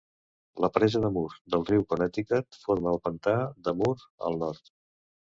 La presa de Moore del riu Connecticut forma el pantà de Moore al nord.